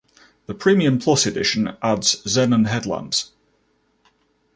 The Premium Plus edition adds xenon headlamps.